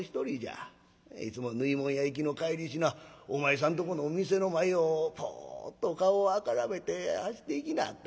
いつも縫い物屋行きの帰りしなお前さんとこの店の前をポーッと顔を赤らめて走っていきなはった。